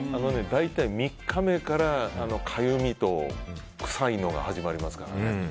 大体、３日目からかゆみと臭いのが始まりますからね。